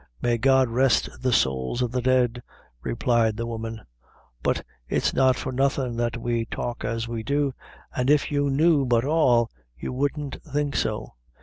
"May God rest the sowls of the dead!" replied the woman, "but it's not for nothing that we talk as we do, an' if you knew but all, you wouldn't think so."